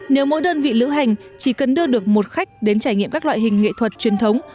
nếu mỗi đơn vị lữ hành chỉ cần đưa được một khách đến trải nghiệm các loại hình nghệ thuật truyền thống